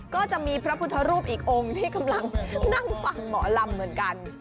ก็จะมีพระพุทธรูปอีกองค์ที่กำลังนั่งฟังหมอลำเหมือนกัน